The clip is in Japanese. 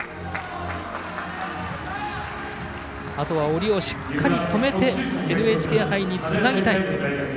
下りをしっかり止めてＮＨＫ杯につなぎたい。